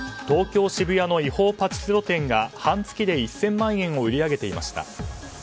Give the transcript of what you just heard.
東京・渋谷の違法パチスロ店が半月で１０００万円を売り上げていました。